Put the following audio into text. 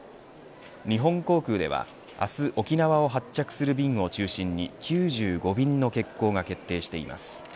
日本航空では明日、沖縄を発着する便を中心に９５便の欠航が決定しています。